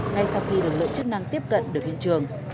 ngay sau khi được lợi chức năng tiếp cận được hiện trường